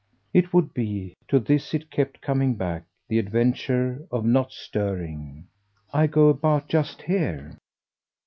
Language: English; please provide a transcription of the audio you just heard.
It would be to this it kept coming back the adventure of not stirring. "I go about just here."